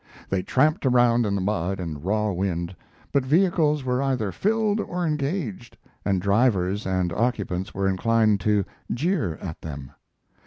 They tramped around in the mud and raw wind, but vehicles were either filled or engaged, and drivers and occupants were inclined to jeer at them.